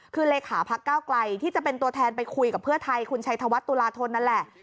คือเลขาพักเก้าไกลที่จะเป็นตัวแทนไปคุยกับเพื่อไทยคุณชัยธวัฒนตุลาทนนั่นแหละ